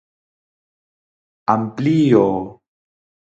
Amplíoo.